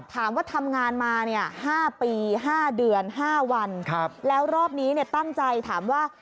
ทำงานมา๕ปี๕เดือน๕วันแล้วรอบนี้ตั้งใจถามว่า